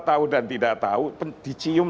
tahu dan tidak tahu dicium